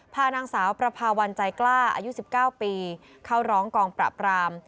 พานางสาวประพาวันใจกล้าอายุ๑๙ปีเข้าร้องกองปราบราม